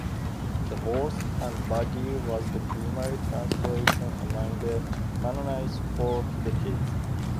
The horse and buggy was the primary transportation among the Mennonites for decades.